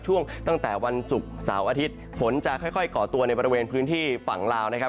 ตั้งแต่วันศุกร์เสาร์อาทิตย์ฝนจะค่อยก่อตัวในบริเวณพื้นที่ฝั่งลาวนะครับ